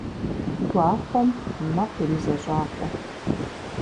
Гуахъуэм мэкъу иризэщӀакъуэ.